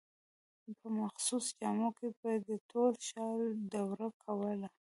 په مخصوصو جامو کې به د ټول ښار دوره کوله.